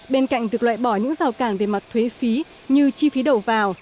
bên cạnh việc loại bỏ những rào cản về mặt thuế phí như chi phí đầu vào